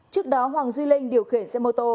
trước đó hoàng duy linh điều khiển xe mô tô